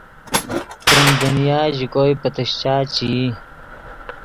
تریم دنیا ژے کوئے دی پتیشچا چے ای